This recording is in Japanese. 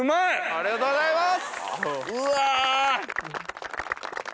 ありがとうございます！